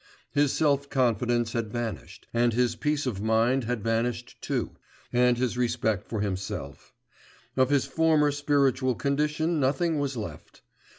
His self confidence had vanished, and his peace of mind had vanished too, and his respect for himself; of his former spiritual condition nothing was left.